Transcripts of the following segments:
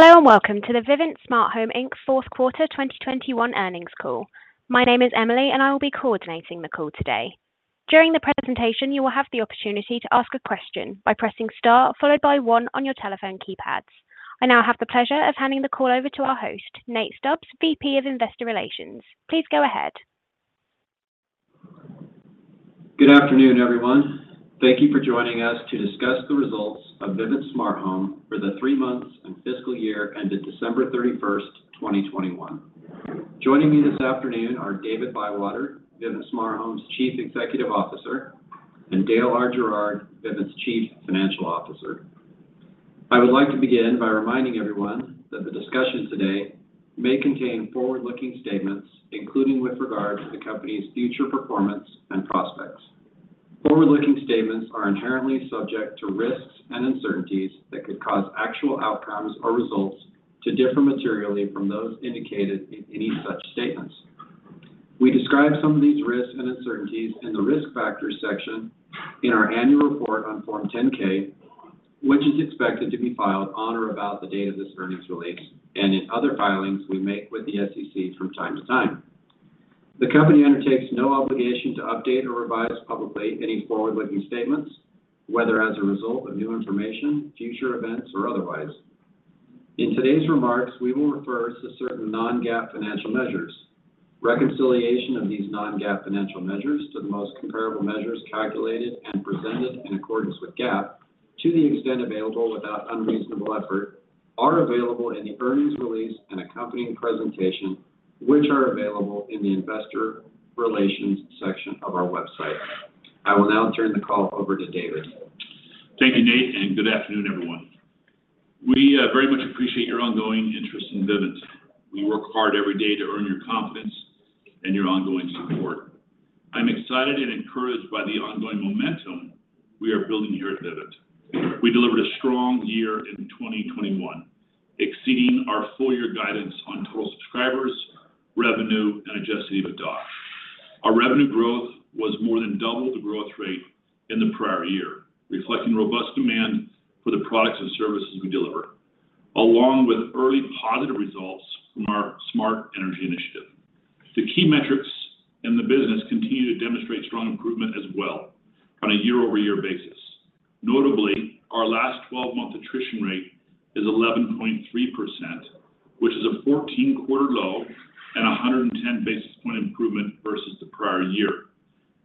Hello and welcome to the Vivint Smart Home, Inc. Q4 2021 earnings call. My name is Emily, and I will be coordinating the call today. During the presentation, you will have the opportunity to ask a question by pressing star followed by one on your telephone keypads. I now have the pleasure of handing the call over to our host, Nate Stubbs, VP, Investor Relations. Please go ahead. Good afternoon, everyone. Thank you for joining us to discuss the results of Vivint Smart Home for the three months and fiscal year ended December 31, 2021. Joining me this afternoon are David Bywater, Vivint Smart Home's Chief Executive Officer, and Dale R. Gerard, Vivint's Chief Financial Officer. I would like to begin by reminding everyone that the discussion today may contain forward-looking statements, including with regard to the company's future performance and prospects. Forward-looking statements are inherently subject to risks and uncertainties that could cause actual outcomes or results to differ materially from those indicated in any such statements. We describe some of these risks and uncertainties in the Risk Factors section in our annual report on Form 10-K, which is expected to be filed on or about the date of this earnings release, and in other filings we make with the SEC from time to time. The company undertakes no obligation to update or revise publicly any forward-looking statements, whether as a result of new information, future events, or otherwise. In today's remarks, we will refer to certain non-GAAP financial measures. Reconciliation of these non-GAAP financial measures to the most comparable measures calculated and presented in accordance with GAAP, to the extent available without unreasonable effort, are available in the earnings release and accompanying presentation, which are available in the Investor Relations section of our website. I will now turn the call over to David. Thank you, Nate, and good afternoon, everyone. We very much appreciate your ongoing interest in Vivint. We work hard every day to earn your confidence and your ongoing support. I'm excited and encouraged by the ongoing momentum we are building here at Vivint. We delivered a strong year in 2021, exceeding our full year guidance on total subscribers, revenue, and Adjusted EBITDA. Our revenue growth was more than double the growth rate in the prior year, reflecting robust demand for the products and services we deliver, along with early positive results from our smart energy initiative. The key metrics in the business continue to demonstrate strong improvement as well on a year-over-year basis. Notably, our last 12-month attrition rate is 11.3%, which is a 14-quarter low and a 110 basis point improvement versus the prior year.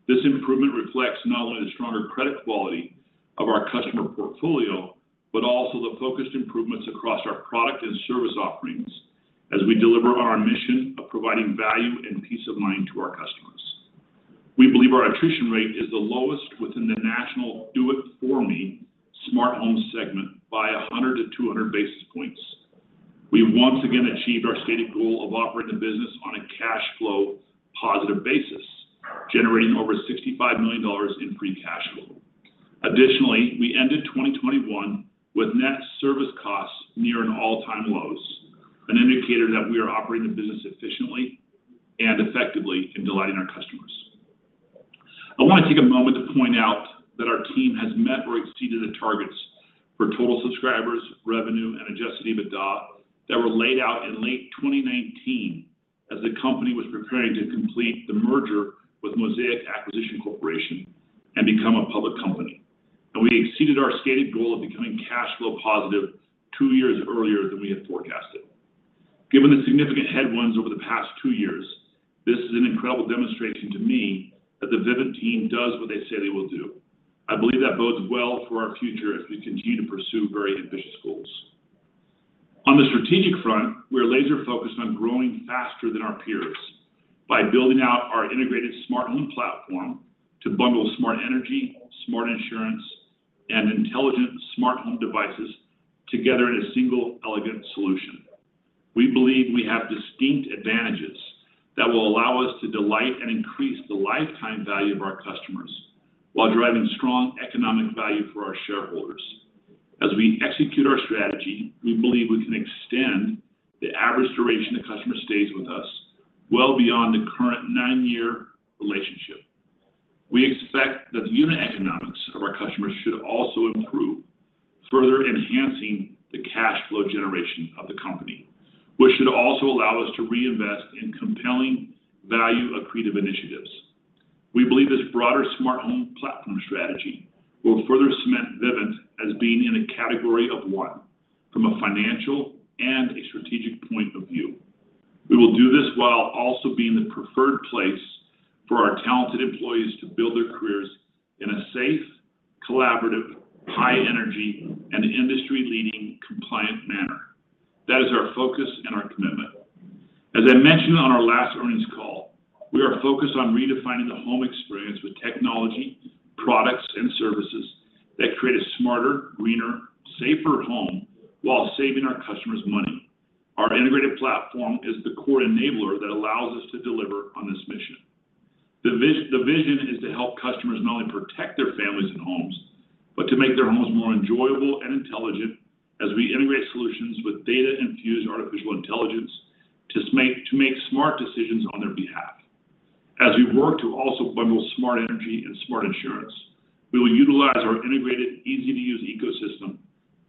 This improvement reflects not only the stronger credit quality of our customer portfolio, but also the focused improvements across our product and service offerings as we deliver on our mission of providing value and peace of mind to our customers. We believe our attrition rate is the lowest within the national do it for me smart home segment by 100-200 basis points. We once again achieved our stated goal of operating the business on a cash flow positive basis, generating over $65 million in free cash flow. Additionally, we ended 2021 with net service costs near an all-time low, an indicator that we are operating the business efficiently and effectively in delighting our customers. I want to take a moment to point out that our team has met or exceeded the targets for total subscribers, revenue, and Adjusted EBITDA that were laid out in late 2019 as the company was preparing to complete the merger with Mosaic Acquisition Corp. and become a public company. We exceeded our stated goal of becoming cash flow +2 years earlier than we had forecasted. Given the significant headwinds over the past 2 years, this is an incredible demonstration to me that the Vivint team does what they say they will do. I believe that bodes well for our future as we continue to pursue very ambitious goals. On the strategic front, we're laser focused on growing faster than our peers by building out our integrated smart home platform to bundle smart energy, smart insurance, and intelligent smart home devices together in a single elegant solution. We believe we have distinct advantages that will allow us to delight and increase the lifetime value of our customers while driving strong economic value for our shareholders. As we execute our strategy, we believe we can extend the average duration a customer stays with us well beyond the current nine-year relationship. We expect that the unit economics of our customers should also improve, further enhancing the cash flow generation of the company, which should also allow us to reinvest in compelling value accretive initiatives. We believe this broader smart home platform strategy will further cement Vivint as being in a category of one from a financial and a strategic point of view. We will do this while also being the preferred place for our talented employees to build their careers in a safe, collaborative, high energy, and industry-leading compliant manner. That is our focus and our commitment. As I mentioned on our last earnings call, we are focused on redefining the home experience with technology, products, and services that create a smarter, greener, safer home while saving our customers money. Our integrated platform is the core enabler that allows us to deliver on this mission. The vision is to help customers not only protect their families and homes, but to make their homes more enjoyable and intelligent as we integrate solutions with data-infused artificial intelligence to make smart decisions on their behalf. As we work to also bundle smart energy and smart insurance, we will utilize our integrated, easy-to-use ecosystem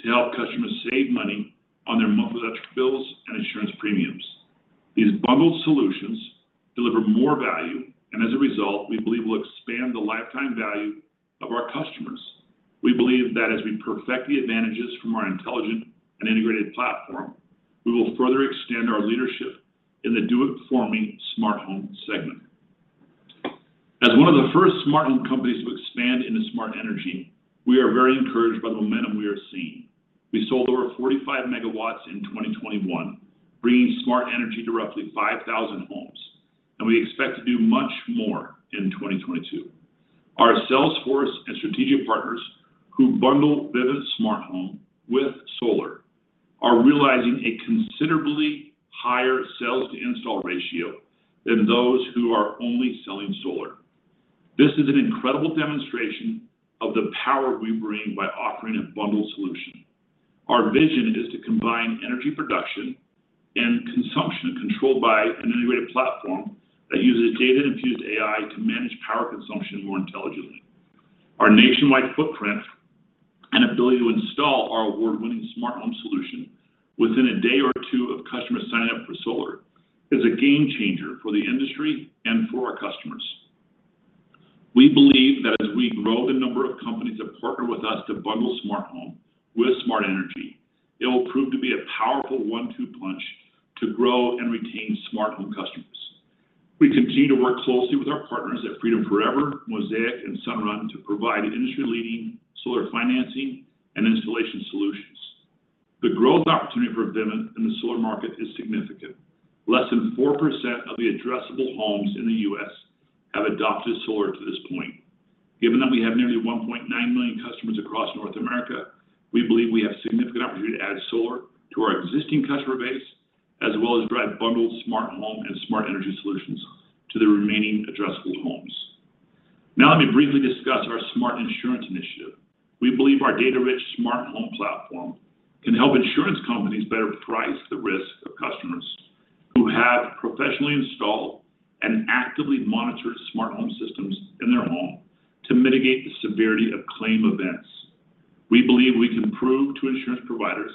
to help customers save money on their monthly electric bills and insurance premiums. These bundled solutions deliver more value, and as a result, we believe will expand the lifetime value of our customers. We believe that as we perfect the advantages from our intelligent and integrated platform, we will further extend our leadership in the do it for me smart home segment. As one of the first smart home companies to expand into smart energy, we are very encouraged by the momentum we are seeing. We sold over 45 MW in 2021, bringing smart energy to roughly 5,000 homes, and we expect to do much more in 2022. Our sales force and strategic partners who bundle Vivint Smart Home with solar are realizing a considerably higher sales to install ratio than those who are only selling solar. This is an incredible demonstration of the power we bring by offering a bundled solution. Our vision is to combine energy production and consumption controlled by an integrated platform that uses data-infused AI to manage power consumption more intelligently. Our nationwide footprint and ability to install our award-winning smart home solution within a day or two of customers signing up for solar is a game changer for the industry and for our customers. We believe that as we grow the number of companies that partner with us to bundle Smart Home with Smart Energy, it will prove to be a powerful one-two punch to grow and retain Smart Home customers. We continue to work closely with our partners at Freedom Forever, Mosaic, and Sunrun to provide industry-leading solar financing and installation solutions. The growth opportunity for Vivint in the solar market is significant. Less than 4% of the addressable homes in the U.S. have adopted solar to this point. Given that we have nearly 1.9 million customers across North America, we believe we have significant opportunity to add solar to our existing customer base, as well as drive bundled smart home and smart energy solutions to the remaining addressable homes. Now let me briefly discuss our smart insurance initiative. We believe our data-rich smart home platform can help insurance companies better price the risk of customers who have professionally installed and actively monitored smart home systems in their home to mitigate the severity of claim events. We believe we can prove to insurance providers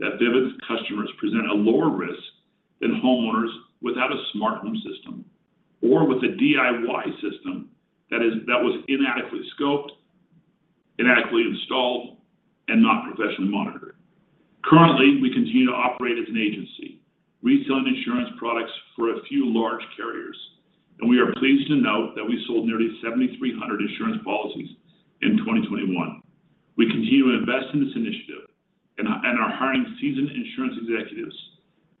that Vivint customers present a lower risk than homeowners without a smart home system or with a DIY system that was inadequately scoped, inadequately installed, and not professionally monitored. Currently, we continue to operate as an agency, retailing insurance products for a few large carriers, and we are pleased to note that we sold nearly 7,300 insurance policies in 2021. We continue to invest in this initiative and are hiring seasoned insurance executives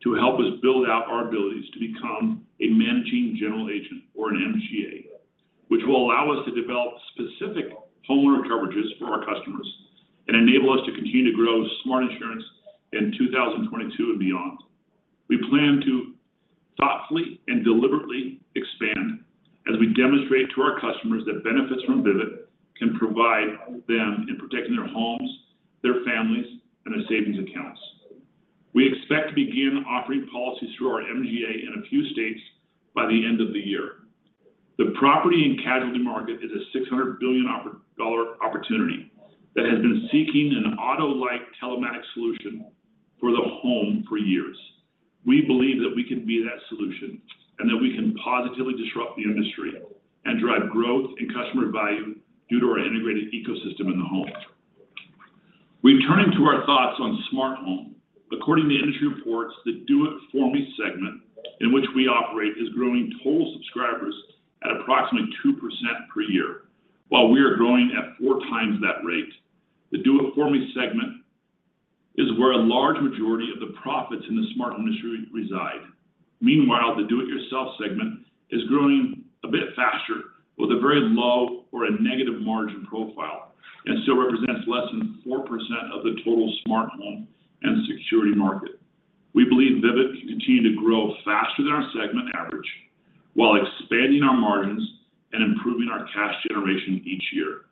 to help us build out our abilities to become a managing general agent or an MGA, which will allow us to develop specific homeowner coverages for our customers and enable us to continue to grow smart insurance in 2022 and beyond. We plan to thoughtfully and deliberately expand as we demonstrate to our customers the benefits from Vivint can provide them in protecting their homes, their families, and their savings accounts. We expect to begin offering policies through our MGA in a few states by the end of the year. The property and casualty market is a $600 billion dollar opportunity that has been seeking an auto-like telematics solution for the home for years. We believe that we can be that solution and that we can positively disrupt the industry and drive growth and customer value due to our integrated ecosystem in the home. We turn to our thoughts on smart home. According to industry reports, the do it for me segment in which we operate is growing total subscribers at approximately 2% per year. While we are growing at four times that rate, the do it for me segment is where a large majority of the profits in the smart home industry reside. Meanwhile, the do it yourself segment is growing a bit faster with a very low or a negative margin profile and still represents less than 4% of the total smart home and security market. We believe Vivint can continue to grow faster than our segment average while expanding our margins and improving our cash generation each year.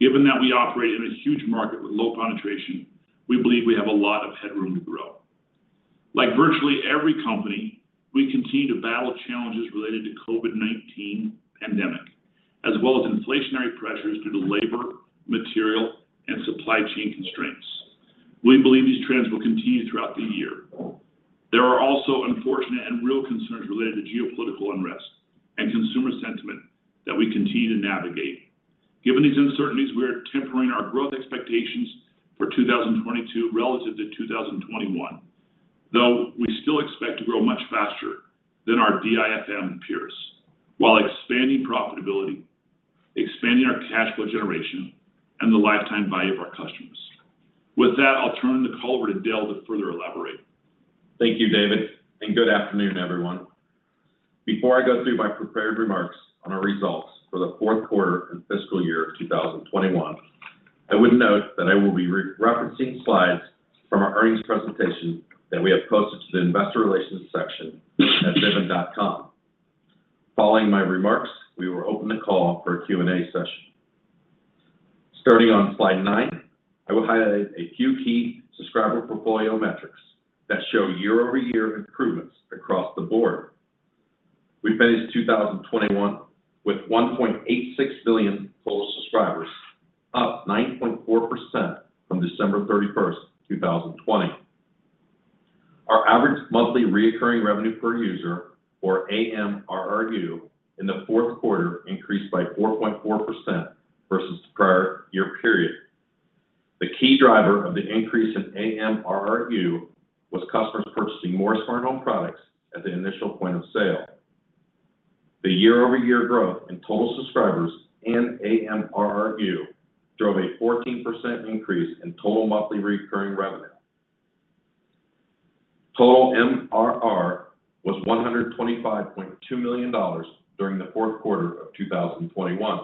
Given that we operate in a huge market with low penetration, we believe we have a lot of headroom to grow. Like virtually every company, we continue to battle challenges related to COVID-19 pandemic as well as inflationary pressures due to labor, material, and supply chain constraints. We believe these trends will continue throughout the year. There are also unfortunate and real concerns related to geopolitical unrest and consumer sentiment that we continue to navigate. Given these uncertainties, we are tempering our growth expectations for 2022 relative to 2021, though we still expect to grow much faster than our DIFM peers while expanding profitability, expanding our cash flow generation, and the lifetime value of our customers. With that, I'll turn the call over to Dale to further elaborate. Thank you, David, and good afternoon, everyone. Before I go through my prepared remarks on our results for the Q4 and fiscal year of 2021, I would note that I will be referencing slides from our earnings presentation that we have posted to the investor relations section at vivint.com. Following my remarks, we will open the call for a Q&A session. Starting on slide 9, I will highlight a few key subscriber portfolio metrics that show year-over-year improvements across the board. We finished 2021 with 1.86 billion total subscribers, up 9.4% from December 31, 2020. Our Average Monthly Recurring Revenue per User, or AMRRU, in the Q4 increased by 4.4% versus the prior year period. The key driver of the increase in AMRRU was customers purchasing more smart home products at the initial point of sale. The year-over-year growth in total subscribers and AMRRU drove a 14% increase in total monthly reoccurring revenue. Total MRR was $125.2 million during the Q4 of 2021.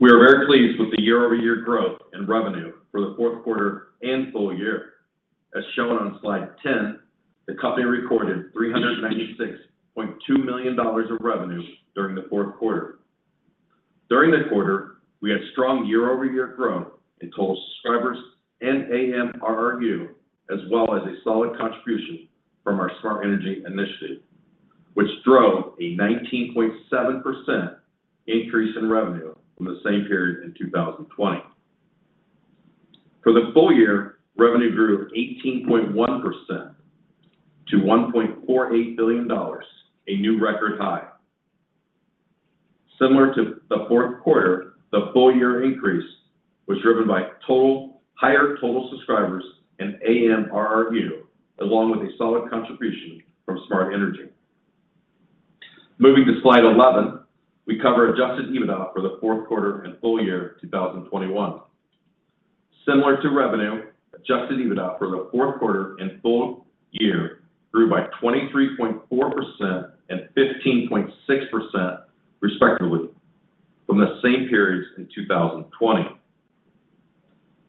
We are very pleased with the year-over-year growth in revenue for the Q4 and Full Year. As shown on slide 10, the company recorded $396.2 million of revenue during the Q4. During the quarter, we had strong year-over-year growth in total subscribers and AMRRU, as well as a solid contribution from our smart energy initiative, which drove a 19.7% increase in revenue from the same period in 2020. For the full year, revenue grew 18.1% to $1.48 billion, a new record high. Similar to the Q4, the full year increase was driven by higher total subscribers and AMRRU, along with a solid contribution from smart energy. Moving to slide 11, we cover adjusted EBITDA for the Q4 and Full Year 2021. Similar to revenue, adjusted EBITDA for the Q4 and full year grew by 23.4% and 15.6% respectively from the same periods in 2020.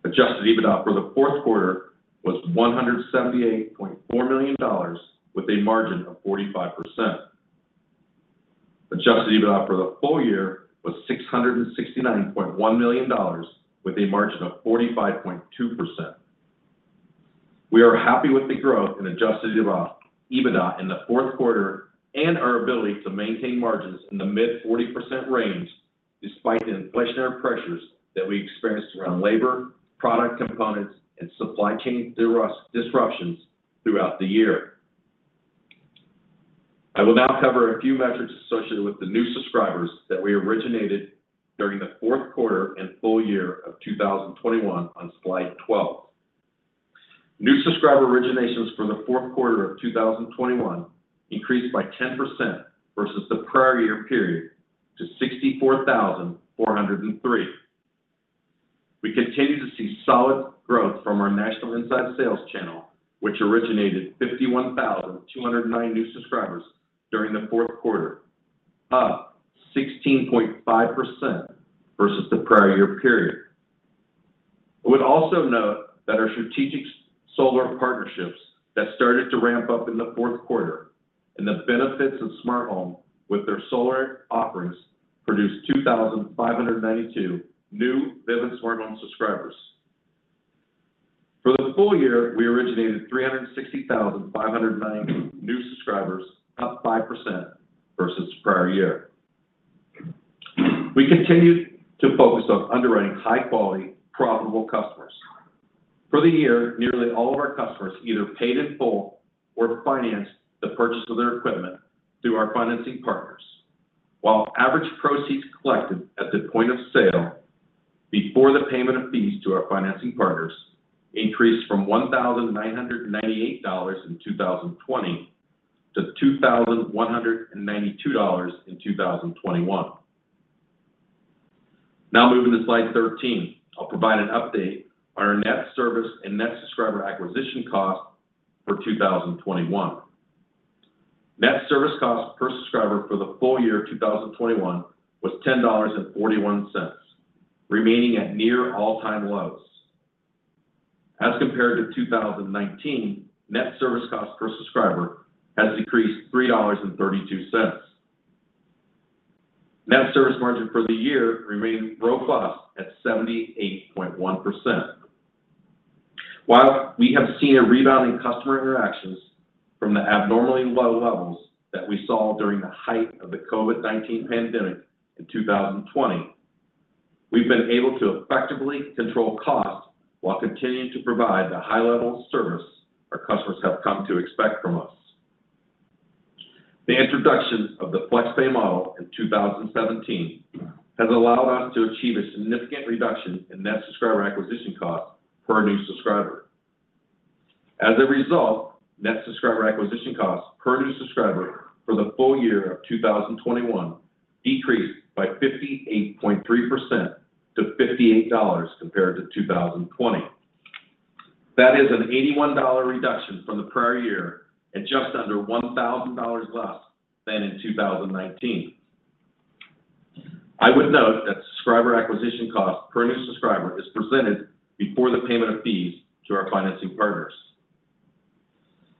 Adjusted EBITDA for the Q4 was $178.4 million with a margin of 45%. Adjusted EBITDA for the full year was $669.1 million with a margin of 45.2%. We are happy with the growth in Adjusted EBITDA in the Q4 and our ability to maintain margins in the mid-40% range despite the inflationary pressures that we experienced around labor, product components, and supply chain disruptions throughout the year. I will now cover a few metrics associated with the new subscribers that we originated during the Q4 and Full Year of 2021 on slide 12. New subscriber originations for the Q4 of 2021 increased by 10% versus the prior year period to 64,403. We continue to see solid growth from our national inside sales channel, which originated 51,209 new subscribers during the Q4, up 16.5% versus the prior year period. I would also note that our strategic solar partnerships that started to ramp up in the Q4 and the benefits of Vivint Smart Home with their solar offerings produced 2,592 new Vivint Smart Home subscribers. For the full year, we originated 360,590 new subscribers, up 5% versus prior year. We continue to focus on underwriting high quality, profitable customers. For the year, nearly all of our customers either paid in full or financed the purchase of their equipment through our financing partners. While average proceeds collected at the point of sale before the payment of fees to our financing partners increased from $1,998 in 2020 to $2,192 in 2021. Now moving to slide 13, I'll provide an update on our net service and net subscriber acquisition cost for 2021. Net service cost per subscriber for the Full Year 2021 was $10.41, remaining at near all-time lows. As compared to 2019, net service cost per subscriber has decreased $3.32. Net service margin for the year remained robust at 78.1%. While we have seen a rebound in customer interactions from the abnormally low levels that we saw during the height of the COVID-19 pandemic in 2020, we've been able to effectively control costs while continuing to provide the high level of service our customers have come to expect from us. The introduction of the Flex Pay model in 2017 has allowed us to achieve a significant reduction in net subscriber acquisition cost per new subscriber. As a result, net subscriber acquisition cost per new subscriber for the Full Year of 2021 decreased by 58.3% to $58 compared to 2020. That is an $81 reduction from the prior year and just under $1,000 less than in 2019. I would note that subscriber acquisition cost per new subscriber is presented before the payment of fees to our financing partners.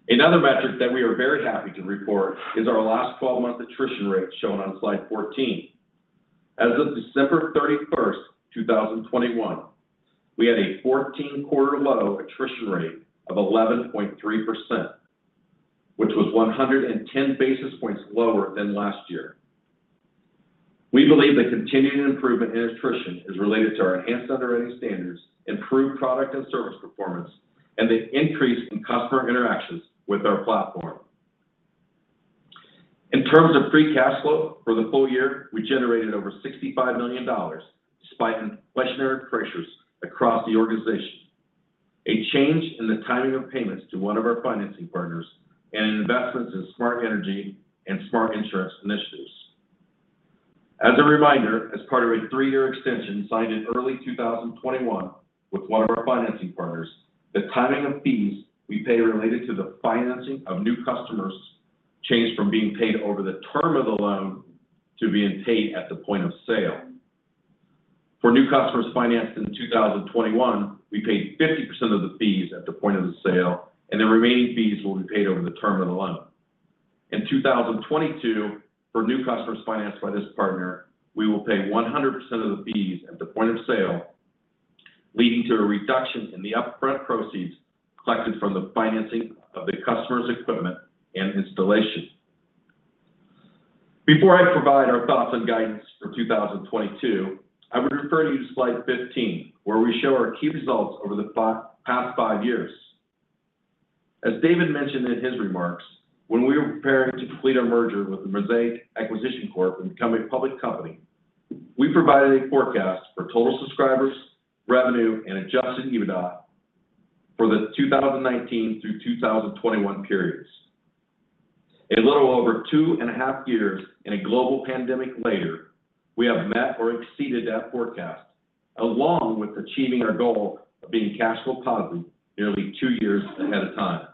Another metric that we are very happy to report is our last 12-month attrition rate shown on slide 14. As of December 31, 2021, we had a 14-quarter low attrition rate of 11.3%, which was 110 basis points lower than last year. We believe the continuing improvement in attrition is related to our enhanced underwriting standards, improved product and service performance, and the increase in customer interactions with our platform. In terms of Free Cash Flow for the full year, we generated over $65 million, despite inflationary pressures across the organization, a change in the timing of payments to one of our financing partners, and investments in smart energy and smart insurance initiatives. As a reminder, as part of a three-year extension signed in early 2021 with one of our financing partners, the timing of fees we pay related to the financing of new customers changed from being paid over the term of the loan to being paid at the point of sale. For new customers financed in 2021, we paid 50% of the fees at the point of the sale, and the remaining fees will be paid over the term of the loan. In 2022, for new customers financed by this partner, we will pay 100% of the fees at the point of sale, leading to a reduction in the upfront proceeds collected from the financing of the customer's equipment and installation. Before I provide our thoughts on guidance for 2022, I would refer you to slide 15, where we show our key results over the past five years. As David mentioned in his remarks, when we were preparing to complete our merger with the Mosaic Acquisition Corp and become a public company, we provided a forecast for total subscribers, revenue, and Adjusted EBITDA for the 2019 through 2021 periods. A little over 2.5 years and a global pandemic later, we have met or exceeded that forecast, along with achieving our goal of being cash flow positive nearly 2 years ahead of time.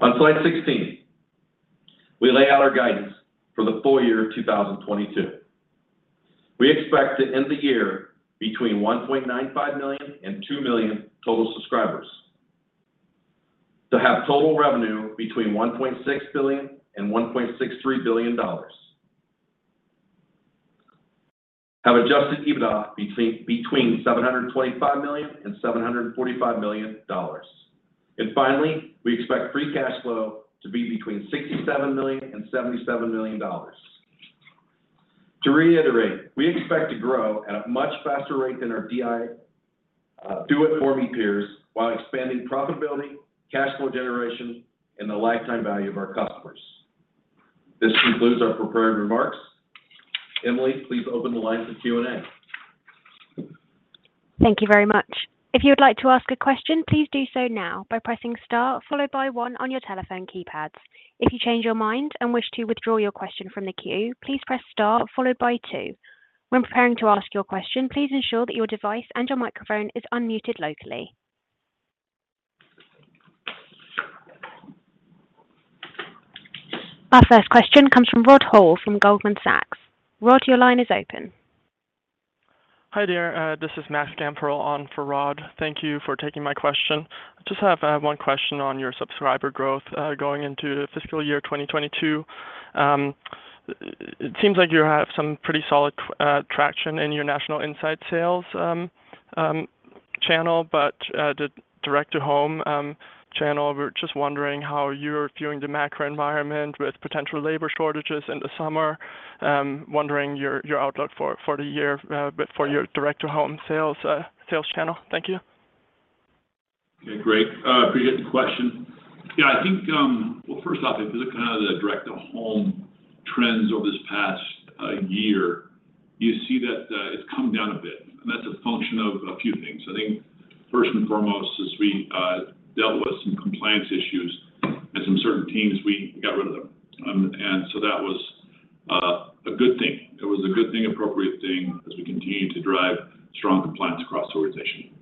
On slide 16, we lay out our guidance for the Full Year of 2022. We expect to end the year between 1.95 million and 2 million total subscribers, to have total revenue between $1.6 billion and $1.63 billion, have Adjusted EBITDA between 725 million and 745 million dollars. Finally, we expect free cash flow to be between $67 million and $77 million. To reiterate, we expect to grow at a much faster rate than our DIFM, do it for me peers while expanding profitability, cash flow generation, and the lifetime value of our customers. This concludes our prepared remarks. Emily, please open the line for Q&A. Thank you very much. If you would like to ask a question, please do so now by pressing star followed by one on your telephone keypads. If you change your mind and wish to withdraw your question from the queue, please press star followed by two. When preparing to ask your question, please ensure that your device and your microphone is unmuted locally. Our first question comes from Rod Hall from Goldman Sachs. Rod, your line is open. Hi there. This is Matt, step on for Rod. Thank you for taking my question. I just have one question on your subscriber growth going into fiscal year 2022. It seems like you have some pretty solid traction in your national inside sales channel, but the direct to home channel, we're just wondering how you're viewing the macro environment with potential labor shortages in the summer, wondering your outlook for the year, but for your direct to home sales channel. Thank you. Okay. Great. Appreciate the question. Yeah, I think. Well, first off, if you look the direct to home trends over this past year, you see that it's come down a bit, and that's a function of a few things. I think first and foremost is we dealt with some compliance issues, and some certain teams, we got rid of them. That was a good thing. It was a good thing, appropriate thing as we continue to drive strong compliance across the organization.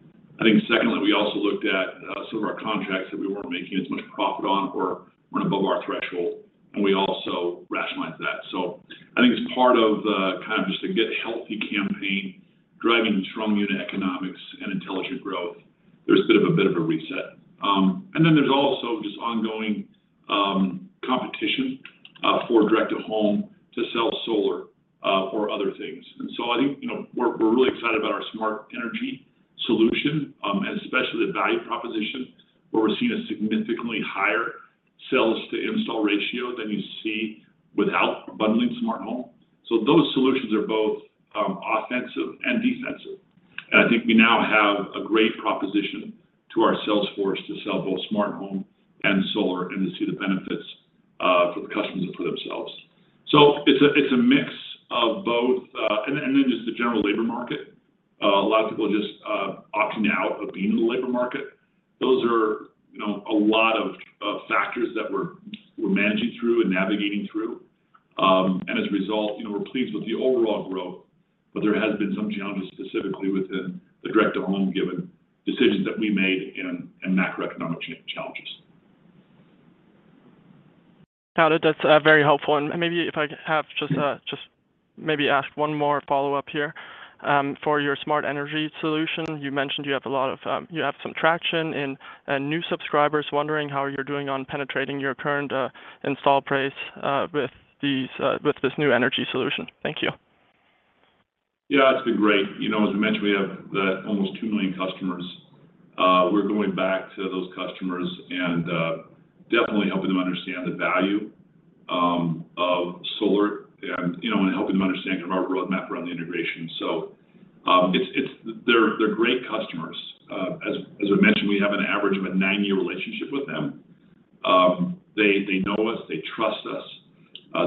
I think secondly, we also looked at some of our contracts that we weren't making as much profit on or weren't above our threshold, and we also rationalized that. I think as part of the just a get healthy campaign, driving strong unit economics and intelligent growth, there's a bit of a reset. Then there's also just ongoing competition for direct to home to sell solar or other things. I think, you know, we're really excited about our smart energy solution and especially the value proposition, where we're seeing a significantly higher sales to install ratio than you see without bundling smart home. Those solutions are both offensive and defensive. I think we now have a great proposition to our sales force to sell both smart home and solar and to see the benefits for the customers and for themselves. It's a mix of both. Then just the general labor market. A lot of people are just opting out of being in the labor market. Those are, you know, a lot of factors that we're managing through and navigating through. As a result, you know, we're pleased with the overall growth, but there has been some challenges specifically within the direct to home given decisions that we made and macroeconomic challenges. Noted. That's very helpful. Maybe if I have just a- Just maybe ask one more follow-up here. For your smart energy solution, you mentioned you have a lot of, you have some traction and new subscribers. Wondering how you're doing on penetrating your current installed base with this new energy solution. Thank you. Yeah. It's been great. You know, as we mentioned, we have almost 2 million customers. We're going back to those customers and definitely helping them understand the value of solar and, you know, and helping them understand our roadmap around the integration. It's. They're great customers. As I mentioned, we have an average of a nine-year relationship with them. They know us, they trust us,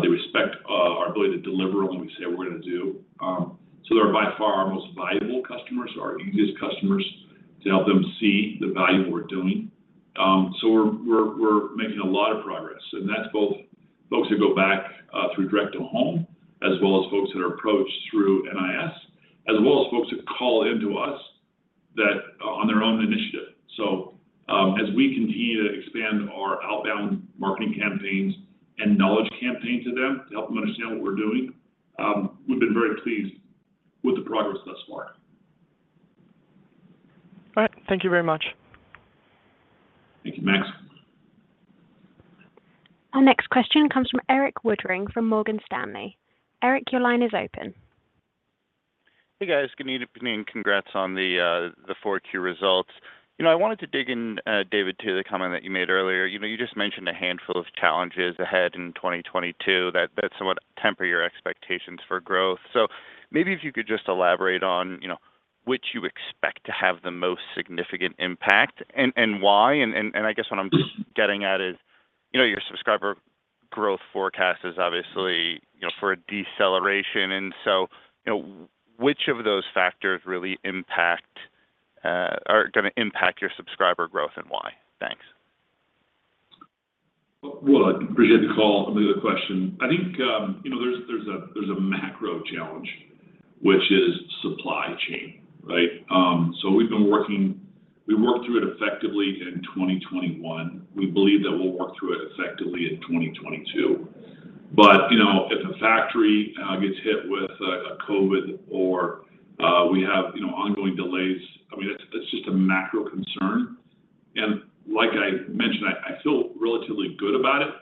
they respect our ability to deliver on what we say we're going to do. So they're by far our most valuable customers, our easiest customers to help them see the value we're doing. We're making a lot of progress, and that's both folks who go back through direct to home, as well as folks that are approached through NIS, as well as folks that call into us that on their own initiative. As we continue to expand our outbound marketing campaigns and knowledge campaign to them to help them understand what we're doing, we've been very pleased with the progress thus far. All right. Thank you very much. Thank you, Max. Our next question comes from Erik Woodring from Morgan Stanley. Eric, your line is open. Hey, guys. Good evening, and congrats on the Q4 results. You know, I wanted to dig in, David, to the comment that you made earlier. You know, you just mentioned a handful of challenges ahead in 2022 that somewhat temper your expectations for growth. Maybe if you could just elaborate on, you know, which you expect to have the most significant impact and I guess what I'm getting at is, you know, your subscriber growth forecast is obviously, you know, for a deceleration, and so, you know, which of those factors really impact are going to impact your subscriber growth and why? Thanks. Well, I appreciate the call and the question. I think, you know, there's a macro challenge, which is supply chain, right? We worked through it effectively in 2021. We believe that we'll work through it effectively in 2022. You know, if a factory gets hit with COVID or we have, you know, ongoing delays, I mean, it's just a macro concern. Like I mentioned, I feel relatively good about it.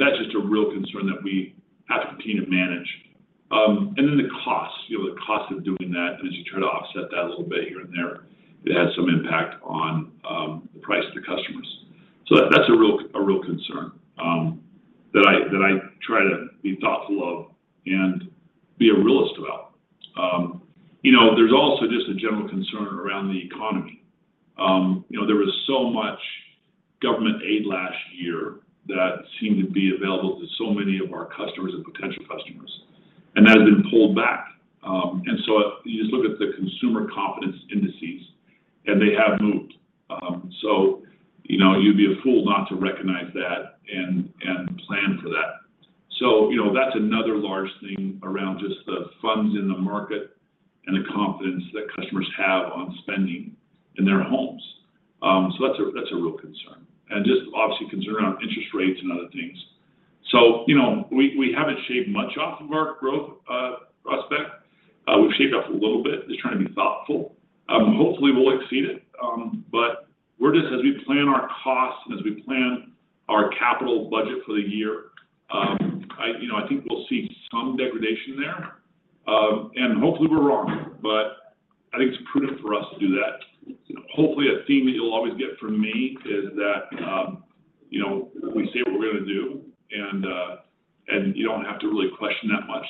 That's just a real concern that we have to continue to manage. The cost, you know, of doing that as you try to offset that a little bit here and there, it has some impact on the price to customers. That's a real concern that I try to be thoughtful of and be a realist about. You know, there's also just a general concern around the economy. You know, there was so much government aid last year that seemed to be available to so many of our customers and potential customers, and that has been pulled back. You just look at the consumer confidence indices, and they have moved. You know, you'd be a fool not to recognize that and plan for that. You know, that's another large thing around just the funds in the market and the confidence that customers have on spending in their homes. That's a real concern, and just obviously concern around interest rates and other things. You know, we haven't shaved much off of our growth prospect. We've shaved off a little bit just trying to be thoughtful. Hopefully, we'll exceed it, but as we plan our costs and as we plan our capital budget for the year, you know, I think we'll see some degradation there. Hopefully we're wrong, but I think it's prudent for us to do that. You know, hopefully a theme that you'll always get from me is that, you know, we say what we're going to do, and you don't have to really question that much.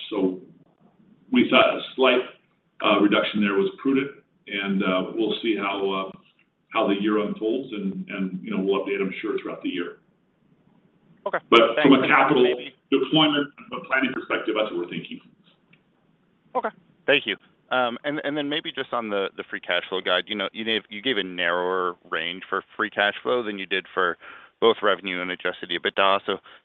We thought a slight reduction there was prudent, and we'll see how the year unfolds, and you know, we'll update, I'm sure, throughout the year. `Okay. Thanks so much, David. From a capital deployment planning perspective, that's what we're thinking. Okay. Thank you. Then maybe just on the free cash flow guide. You know, you gave a narrower range for free cash flow than you did for both revenue and Adjusted EBITDA.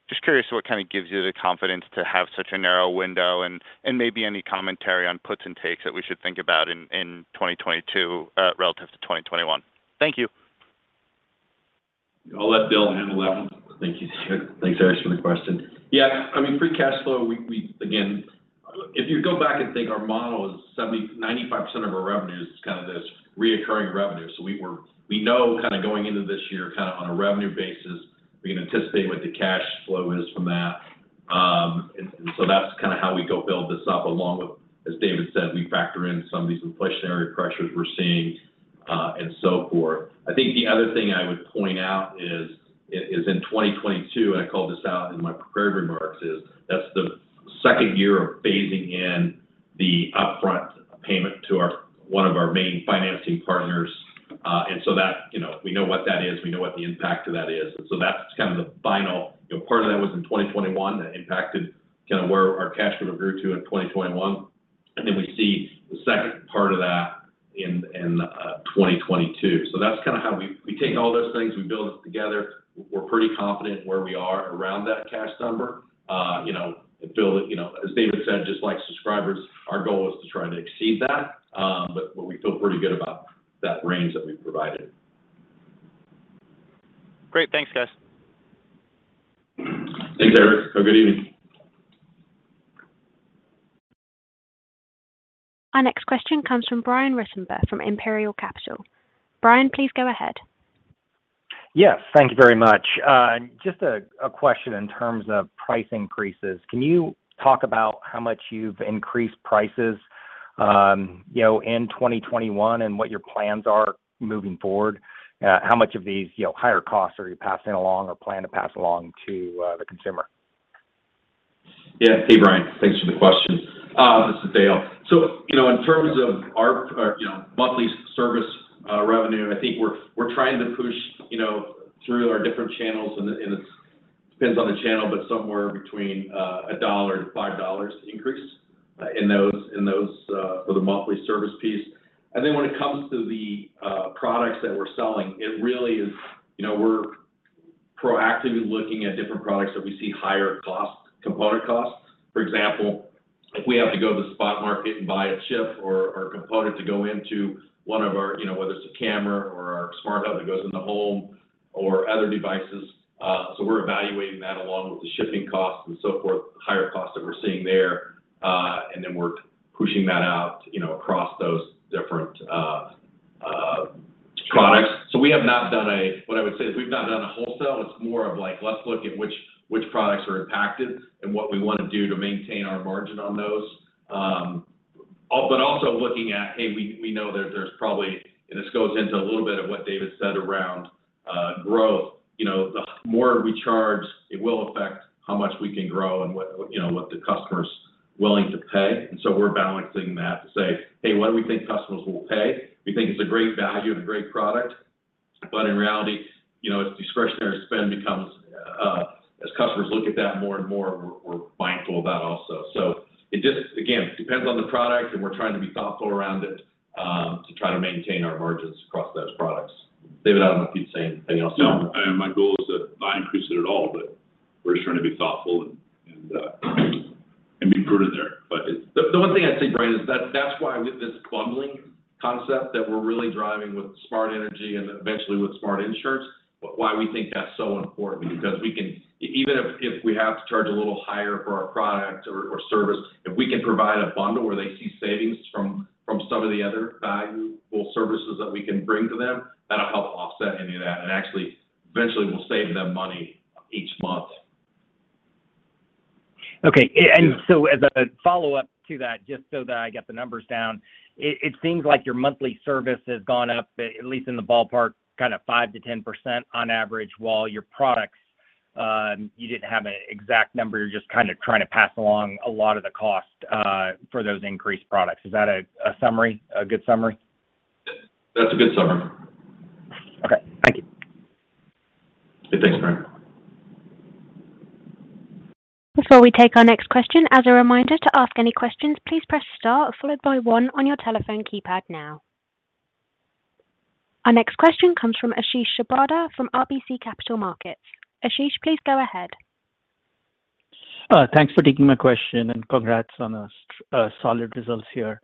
Just curious what gives you the confidence to have such a narrow window and maybe any commentary on puts and takes that we should think about in 2022 relative to 2021. Thank you. I'll let, Dale, handle that one. Thank you, sir. Thanks, Erik, for the question. Yeah. I mean, free cash flow. Again, if you go back and think our model is 70%-95% of our revenue is this recurring revenue. We know going into this year on a revenue basis, we can anticipate what the cash flow is from that. That's how we go build this up along with, as David said, we factor in some of these inflationary pressures we're seeing and so forth. I think the other thing I would point out is in 2022, and I called this out in my prepared remarks, is that's the second year of phasing in the upfront payment to our one of our main financing partners. That, you know, we know what that is, we know what the impact of that is. That's the final. You know, part of that was in 2021 that impacted where our cash would accrue to in 2021, and then we see the second part of that in 2022. That's how we take all those things, we build it together. We're pretty confident where we are around that cash number. You know, as David said, just like subscribers, our goal is to try to exceed that, but what we feel pretty good about that range that we provided. Great. Thanks, guys. Thanks, Erik. Have a good evening. Our next question comes from Brian Ruttenbur from Imperial Capital. Brian, please go ahead. Yes, thank you very much. Just a question in terms of price increases. Can you talk about how much you've increased prices, you know, in 2021 and what your plans are moving forward? How much of these, you know, higher costs are you passing along or plan to pass along to the consumer? Yeah. Hey, Brian. Thanks for the question. This is Dale. You know, in terms of our you know monthly service revenue, I think we're trying to push you know through our different channels and and it depends on the channel, but somewhere between a $1-$5 increase in those for the monthly service piece. Then when it comes to the products that we're selling, it really is you know we're proactively looking at different products that we see higher costs, component costs. For example, if we have to go to the spot market and buy a chip or component to go into one of our, you know, whether it's a camera or our Smart Hub that goes in the home or other devices, so we're evaluating that along with the shipping costs and so forth, higher costs that we're seeing there. Then we're pushing that out, you know, across those different products. What I would say is we've not done a wholesale. It's more of like, let's look at which products are impacted and what we want to do to maintain our margin on those. Also looking at, hey, we know there's probably. This goes into a little bit of what David said around growth. You know, the more we charge, it will affect how much we can grow and what, you know, what the customer's willing to pay. We're balancing that to say, "Hey, what do we think customers will pay?" We think it's a great value and a great product, but in reality, you know, as discretionary spend, as customers look at that more and more, we're mindful of that also. It just, again, depends on the product, and we're trying to be thoughtful around it, to try to maintain our margins across those products. David, I don't know if you'd say anything else there. No. I mean, my goal is to not increase it at all, but we're just trying to be thoughtful and be prudent there. It's- The one thing I'd say, Brian, is that that's why with this bundling concept that we're really driving with smart energy and eventually with smart insurance, why we think that's so important. Because we can even if we have to charge a little higher for our product or service, if we can provide a bundle where they see savings from some of the other valuable services that we can bring to them, that'll help offset any of that and actually eventually will save them money each month. As a follow-up to that, just so that I get the numbers down, it seems like your monthly service has gone up, at least in the ballpark, 5%-10% on average, while your products, you didn't have an exact number. You're just trying to pass along a lot of the cost for those increased products. Is that a good summary? That's a good summary. Okay. Thank you. Yeah. Thanks, Brian. Before we take our next question, as a reminder, to ask any questions, please press star followed by one on your telephone keypad now. Our next question comes from Ashish Sabadra from RBC Capital Markets. Ashish, please go ahead. Thanks for taking my question, and congrats on a solid results here.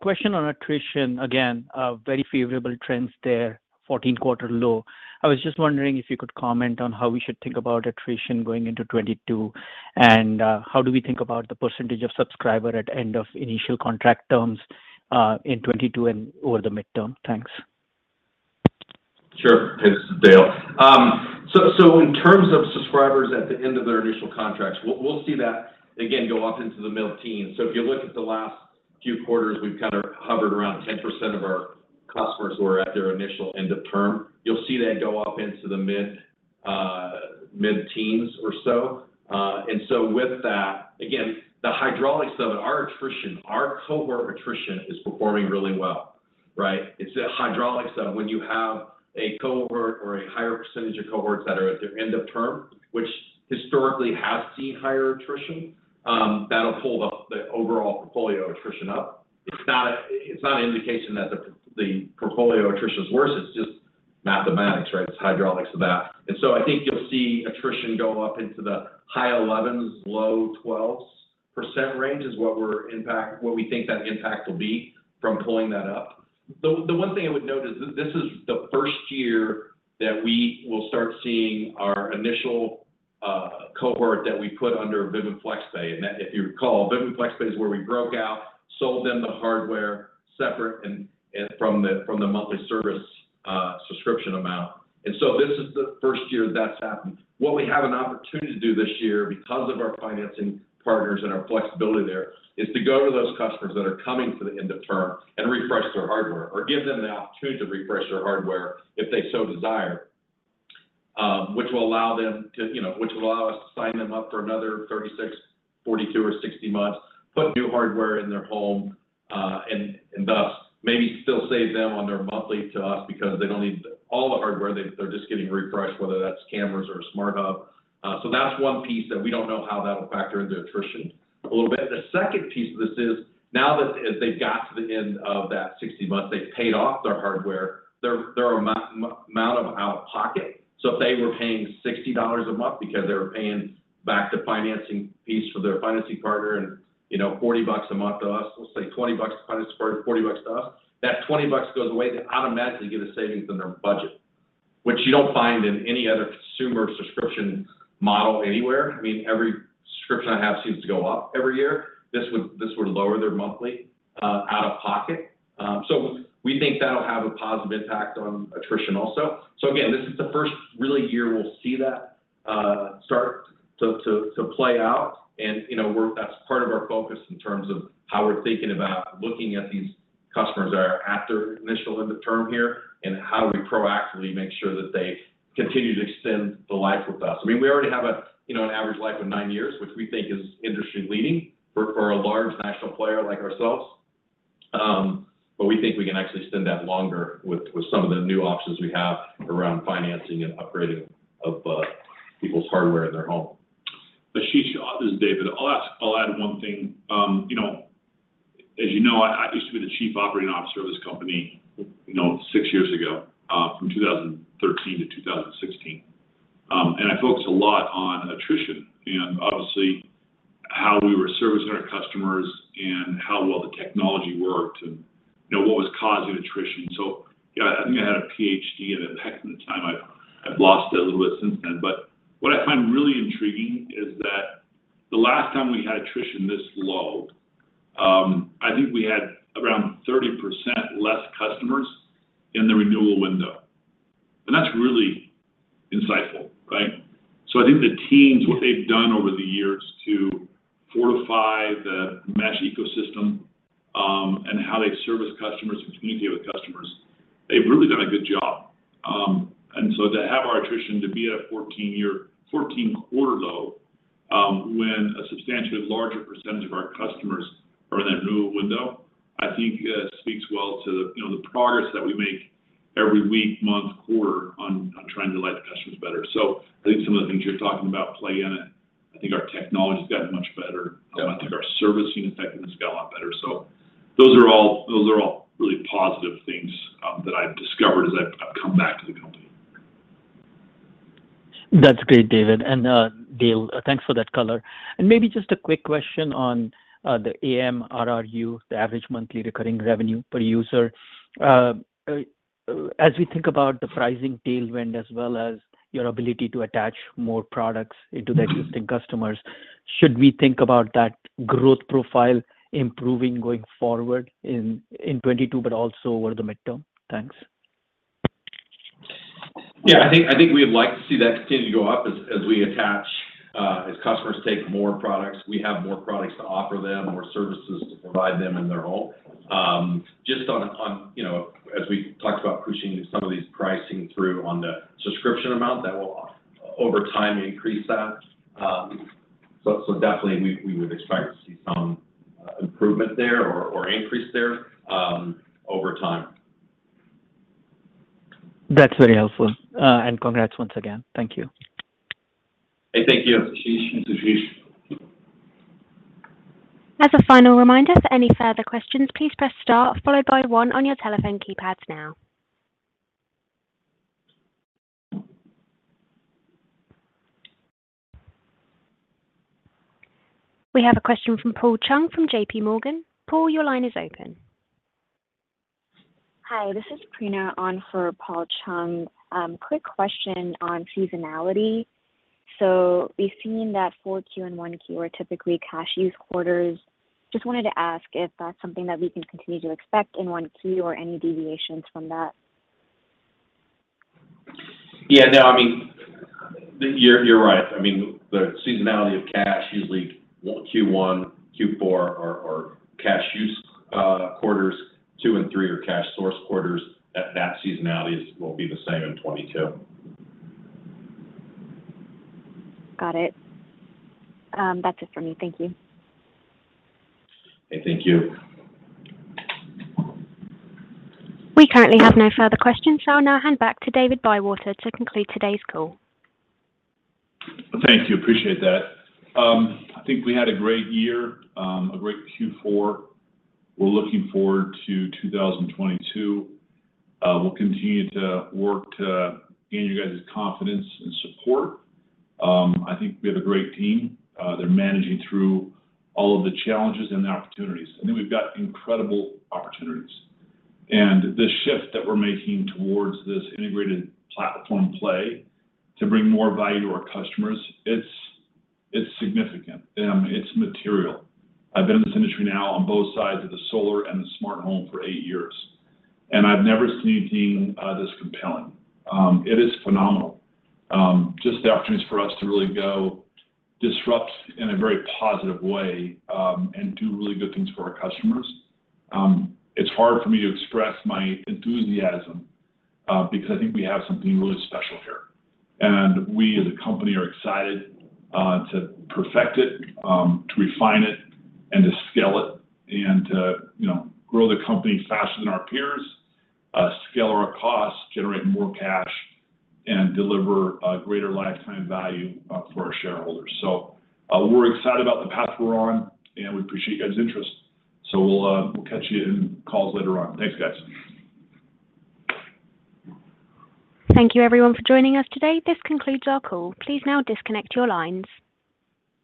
Question on attrition again, very favorable trends there, 14th quarter low. I was just wondering if you could comment on how we should think about attrition going into 2022, and how do we think about the percentage of subscriber at end of initial contract terms in 2022 and over the midterm? Thanks. Sure. This is Dale. In terms of subscribers at the end of their initial contracts, we'll see that again go up into the mid-teens. If you look at the last few quarters, we've hovered around 10% of our customers who are at their initial end of term. You'll see that go up into the mid-teens or so. With that, again, the hydraulics though of our attrition, our cohort attrition is performing really well, right? It's the hydraulics of when you have a cohort or a higher percentage of cohorts that are at their end of term, which historically has seen higher attrition, that'll pull the overall portfolio attrition up. It's not an indication that the portfolio attrition is worse. It's just mathematics, right? It's hydraulics of that. I think you'll see attrition go up into the high 11s-low 12s% range is what we think that impact will be from pulling that up. The one thing I would note is this is the first year that we will start seeing our initial cohort that we put under Vivint Flex Pay. That if you recall, Vivint Flex Pay is where we broke out, sold them the hardware separate and from the monthly service subscription amount. This is the first year that's happened. What we have an opportunity to do this year because of our financing partners and our flexibility there is to go to those customers that are coming to the end of term and refresh their hardware or give them the opportunity to refresh their hardware if they so desire, which will allow them to, you know, which will allow us to sign them up for another 36, 42, or 60 months, put new hardware in their home, and thus maybe still save them on their monthly to us because they don't need all the hardware. They're just getting refreshed, whether that's cameras or a Smart Hub. That's one piece that we don't know how that'll factor into attrition a little bit. The second piece of this is now that as they've got to the end of that 60 months, they've paid off their hardware, their amount of out-of-pocket. If they were paying $60 a month because they were paying back the financing piece for their financing partner and, you know, $40 a month to us, let's say $20 to finance partner, $40 to us, that $20 goes away. They automatically get a savings in their budget. Which you don't find in any other consumer subscription model anywhere. I mean, every subscription I have seems to go up every year. This would lower their monthly out-of-pocket. We think that'll have a positive impact on attrition also. Again, this is the first really year we'll see that start to play out. You know, that's part of our focus in terms of how we're thinking about looking at these customers that are after initial end of term here, and how do we proactively make sure that they continue to extend the life with us. I mean, we already have a you know an average life of nine years, which we think is industry-leading for a large national player like ourselves. We think we can actually extend that longer with some of the new options we have around financing and upgrading of people's hardware in their home. Ashish, this is David. I'll add one thing. You know, as you know, I used to be the Chief Operating Officer of this company, you know, six years ago, from 2013 to 2016. I focused a lot on attrition and obviously how we were servicing our customers and how well the technology worked and, you know, what was causing attrition. Yeah, I think I had a PhD at the time. I've lost it a little bit since then, but what I find really intriguing is that the last time we had attrition this low, I think we had around 30% less customers in the renewal window. That's really insightful, right? I think the teams, what they've done over the years to fortify the mesh ecosystem, and how they service customers, communicate with customers, they've really done a good job. To have our attrition to be at a 14-year, 14-quarter low, when a substantially larger percentage of our customers are in that renewal window, I think speaks well to, you know, the progress that we make every week, month, quarter on trying to delight the customers better. I think some of the things you're talking about play in it. I think our technology's gotten much better. Yeah. I think our servicing effectiveness got a lot better. Those are all really positive things that I've discovered as I've come back to the company. That's great, David, and, Dale, thanks for that color. Maybe just a quick question on the AMRRU, the average monthly recurring revenue per user. As we think about the pricing tailwind as well as your ability to attach more products into the existing customers, should we think about that growth profile improving going forward in 2022, but also over the medium term? Thanks. Yeah. I think we would like to see that continue to go up as we attach as customers take more products, we have more products to offer them, more services to provide them in their home. Just on, you know, as we talked about pushing some of these pricing through on the subscription amount, that will over time increase that. So definitely we would expect to see some improvement there or increase there, over time. That's very helpful. Congrats once again. Thank you. Hey, thank you. Ashish. As a final reminder, for any further questions, please press star followed by one on your telephone keypads now. We have a question from Paul Chung from JP Morgan. Paul, your line is open. Hi, this is Preena on for Paul Chung. Quick question on seasonality. We've seen that Q4 and Q1 are typically cash use quarters. Just wanted to ask if that's something that we can continue to expect in Q1 or any deviations from that? Yeah. No, I mean, you're right. I mean, the seasonality of cash usually Q1, Q4 are cash use quarters. 2 and 3 are cash source quarters. That seasonality will be the same in 2022. Got it. That's it for me. Thank you. Hey, thank you. We currently have no further questions. I'll now hand back to David Bywater to conclude today's call. Thank you. Appreciate that. I think we had a great year, a great Q4. We're looking forward to 2022. We'll continue to work to gain you guys' confidence and support. I think we have a great team. They're managing through all of the challenges and the opportunities, and then we've got incredible opportunities. The shift that we're making towards this integrated platform play to bring more value to our customers, it's significant. I mean, it's material. I've been in this industry now on both sides of the solar and the smart home for 8 years, and I've never seen anything this compelling. It is phenomenal. Just the opportunities for us to really go disrupt in a very positive way, and do really good things for our customers. It's hard for me to express my enthusiasm, because I think we have something really special here. We as a company are excited to perfect it, to refine it and to scale it and to, you know, grow the company faster than our peers, scale our costs, generate more cash, and deliver a greater lifetime value for our shareholders. We're excited about the path we're on, and we appreciate you guys' interest. We'll catch you in calls later on. Thanks, guys. Thank you everyone for joining us today. This concludes our call. Please now disconnect your lines.